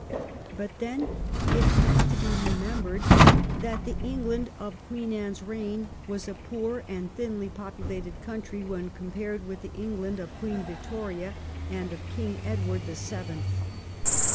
But then it has to be remembered that the England of Queen Anne's reign was a poor and thinly popu lated country when compared with the England of Queen Victoria and of King Edward the Seventh.